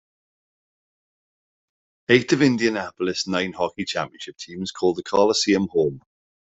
Eight of Indianapolis' nine hockey championship teams called the Coliseum home.